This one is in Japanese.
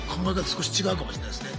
少し違うかもしれないですね。